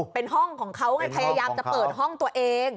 เป็นห้องของเขาไงพยายามจะเปิดห้องตัวเอง